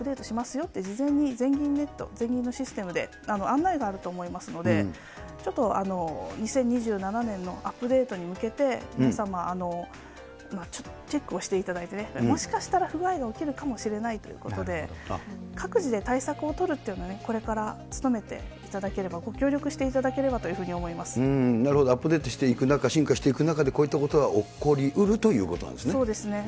よって事前に全銀ネット、全銀のシステムで案内があると思いますので、ちょっと２０２７年のアップデートに向けて、皆様、チェックをしていただいて、もしかしたら不具合が起きるかもしれないということで、各自で対策をとるというのは、これから努めていただければ、ご協力していただければというふなるほど、アップデートしていく、進化していく中で、こういったことは起こりうるということそうですね。